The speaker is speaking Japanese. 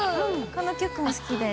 この曲も好きです。